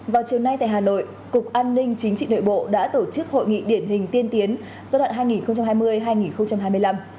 vào chiều nay tại hà nội cục an ninh chính trị nội bộ đã tổ chức hội nghị điển hình tiên tiến giai đoạn hai nghìn hai mươi hai nghìn hai mươi năm